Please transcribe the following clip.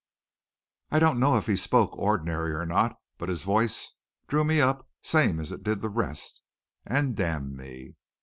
"I don't know if he spoke ordinary or not, but his voice drew me up same as it did the rest, an' damn me!